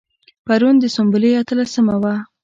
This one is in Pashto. پرون د سنبلې اتلسمه وه.